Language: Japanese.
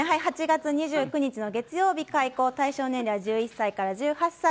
８月２９日の月曜日開校、対象年齢は１１歳から１８歳。